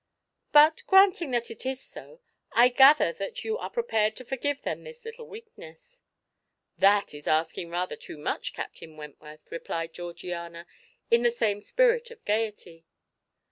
But granting that it is so, I gather that you are prepared to forgive them this little weakness?" "That is asking rather too much, Captain Wentworth," replied Georgiana, in the same spirit of gaiety.